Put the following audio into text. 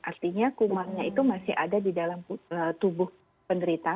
artinya kumannya itu masih ada di dalam tubuh penderita